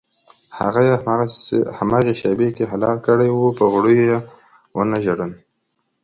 هغه یې هماغې شېبه کې حلال کړی و په غوړیو یې ونه ژړل.